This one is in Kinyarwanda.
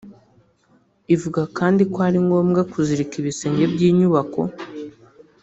Ivuga kandi ko ari ngombwa kuzirika ibisenge by’inyubako